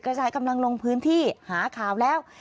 กระจายกำลังลงพื้นที่หาข่าวแล้ว